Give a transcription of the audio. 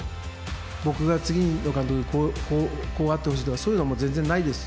僕が次の監督にこうあってほしいとか、そういうのは全然ないです。